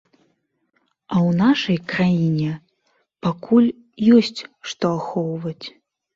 А ў нашай краіне пакуль ёсць што ахоўваць.